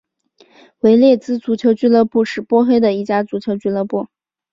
维列兹足球俱乐部是波黑的一家足球俱乐部。